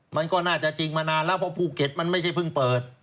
มันก็น่าจะจริงมานานแล้วเพราะภูเก็ตมันไม่ใช่เพิ่งเปิด